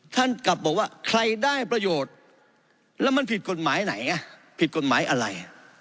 ท่านกลับบอกว่าใครได้ประโยชน์แล้วมันผิดกฎหมายไหนผิดกฎหมายอะไร